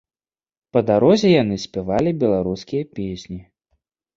Па дарозе яны спявалі беларускія песні.